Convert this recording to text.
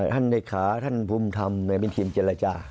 ท่านเหลคาท่านพุมธรรมเป็นทีมเจรจา